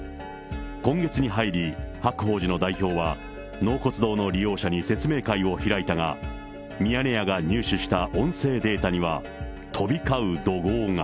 今月に入り、白鳳寺の代表は納骨堂の利用者に説明会を開いたが、ミヤネ屋が入手した音声データには、飛び交う怒号が。